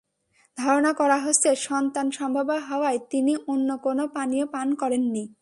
ধারণা করা হচ্ছে, সন্তানসম্ভবা হওয়ায় তিনি অন্য কোনো পানীয় পান করেননি।